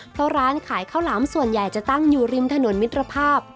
เพราะร้านขายข้าวหลามส่วนใหญ่จะตั้งอยู่ริมถนนมิตรภาพ